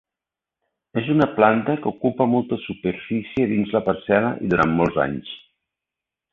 És una planta que ocupa molta superfície dins la parcel·la i durant molts anys.